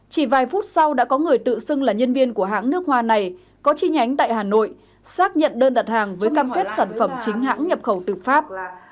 chỉ vài phút sau đã có người tự xưng là nhân viên của hãng nước hoa này có chi nhánh tại hà nội xác nhận đơn đặt hàng với cam kết sản phẩm chính hãng nhập khẩu từ pháp